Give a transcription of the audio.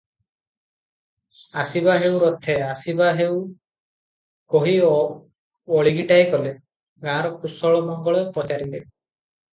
"ଆସିବା ହେଉ ରଥେ, ଆସିବା ହେଉ, "କହି ଓଳଗିଟାଏ କଲେ ।ଗାଁର କୁଶଳ ମଙ୍ଗଳ ପଚାରିଲେ ।